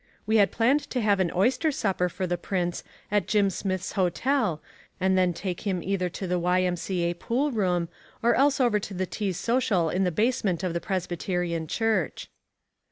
We had planned to have an oyster supper for the Prince at Jim Smith's hotel and then take him either to the Y.M.C.A. Pool Room or else over to the tea social in the basement of the Presbyterian Church.